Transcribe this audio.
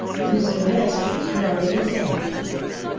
Mr. Masters nodded his head.